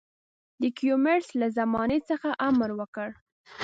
د کیومرث له زمانې څخه امر وکړ.